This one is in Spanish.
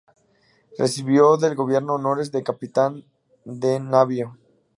Recibió del gobierno honores de capitán de navío.